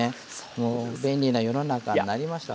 もう便利な世の中になりました。